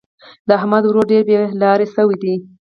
د احمد ورور ډېر بې لارې شوی دی.